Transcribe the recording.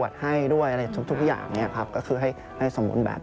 ทุกอย่างนี้ครับก็คือให้สมบูรณ์แบบ